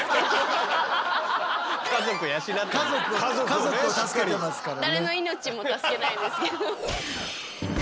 家族を助けてますからね。